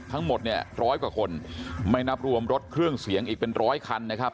ทั้งหมดเนี่ยร้อยกว่าคนไม่นับรวมรถเครื่องเสียงอีกเป็นร้อยคันนะครับ